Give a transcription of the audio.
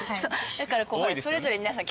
だからそれぞれ皆さん